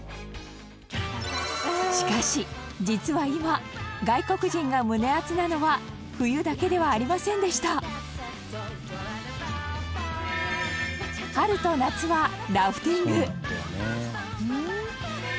しかし、実は今外国人が胸アツなのは冬だけではありませんでした春と夏は、ラフティング